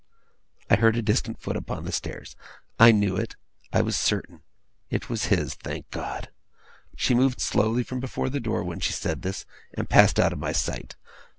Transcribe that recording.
I heard a distant foot upon the stairs. I knew it, I was certain. It was his, thank God! She moved slowly from before the door when she said this, and passed out of my sight.